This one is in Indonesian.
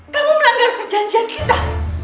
kamu melanggar perjanjian kita